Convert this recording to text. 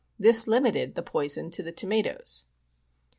This limited the poison to the tomatoes.